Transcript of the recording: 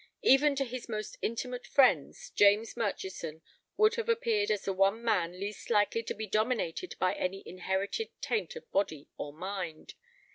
Even to his most intimate friends, James Murchison would have appeared as the one man least likely to be dominated by any inherited taint of body or mind.